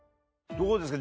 どうですか？